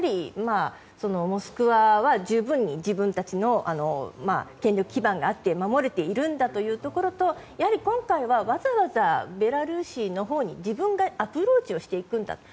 モスクワは十分に自分たちの権力基盤があって守れているんだというところと今回はわざわざベラルーシのほうに自分からアプローチするんだと。